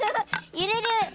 ゆれる！